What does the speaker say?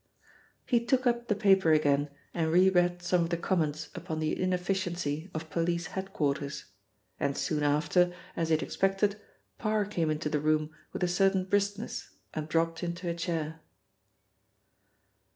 He took up the paper again and re read some of the comments upon the inefficiency of police head quarters, and soon after, as he had expected, Parr came into the room with a certain briskness and dropped into a chair.